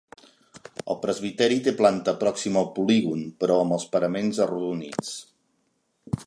El presbiteri té planta pròxima al polígon però amb els paraments arrodonits.